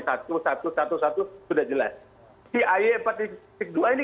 sudah jelas si ay empat dua ini